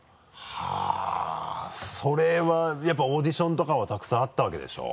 はぁそれはやっぱオーディションとかはたくさんあったわけでしょ？